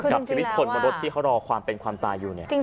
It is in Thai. กับชีวิตคนบนรถที่เขารอความเป็นความตายอยู่เนี่ย